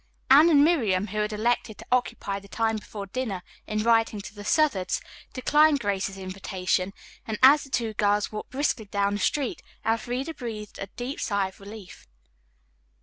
Anne and Miriam, who had elected to occupy the time before dinner in writing to the Southards, declined Grace's invitation, and as the two girls walked briskly down the street, Elfreda breathed a deep sigh of relief.